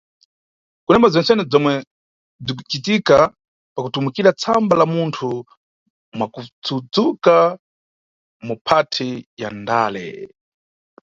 Kunemba bzentsene bzomwe bzinʼcitika pakutumikira tsamba la munthu mwakutsudzuka, maphathi ya ndale.